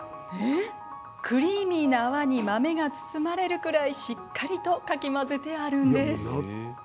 クリーミーな泡に豆が包まれるくらいしっかりとかき混ぜてあるんです。